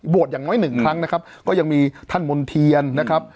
อย่างน้อยหนึ่งครั้งนะครับก็ยังมีท่านมณ์เทียนนะครับ